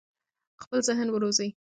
خپل ذهن وروزی.